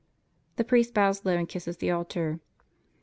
] The priest bows low and kisses the altar.